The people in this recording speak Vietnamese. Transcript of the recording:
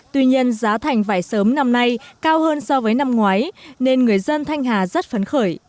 tuy nhiên giá thành vải sớm năm nay cao hơn so với năm ngoái nên người dân thanh hà rất phấn khởi